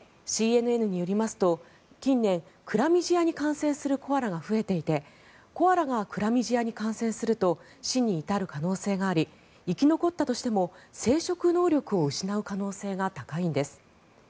ＣＮＮによりますと近年、クラミジアに感染するコアラが増えていてコアラがクラミジアに感染すると死に至る可能性があり生き残ったとしても生殖能力を失う可能性が高いんです。